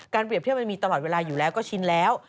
เปรียบเทียบมันมีตลอดเวลาอยู่แล้วก็ชินแล้ว